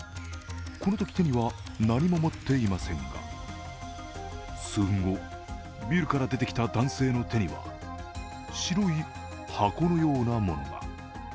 このとき手には何も持っていませんが、数分後、ビルから出てきた男性の手には白い箱のようなものが。